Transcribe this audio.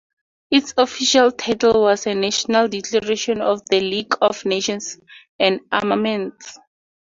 Its official title was A National Declaration on the League of Nations and Armaments.